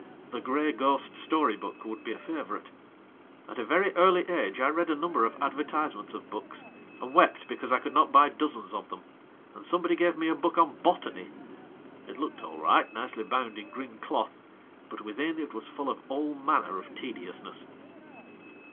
'The Grey Ghost Story Book' would be a favourite. At a very early age I read a number of advertisements of books, and wept because I could not buy dozens of them, and somebody gave me a book on Botany! It looked all right, nicely bound in green cloth, but within it was full of all manner of tediousness.